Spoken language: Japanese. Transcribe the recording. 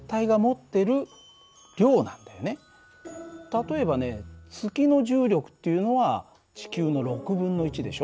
例えばね月の重力っていうのは地球の６分の１でしょ。